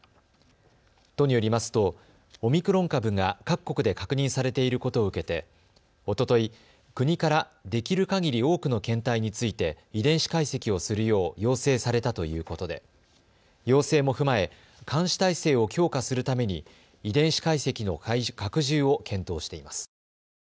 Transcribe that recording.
都によりますとオミクロン株が各国で確認されていることを受けておととい、国からできるかぎり多くの検体について遺伝子解析をするよう要請されたということで要請も踏まえ、監視体制を強化するために遺伝子解析の拡充を検討しています。